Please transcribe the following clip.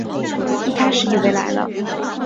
一开始以为来了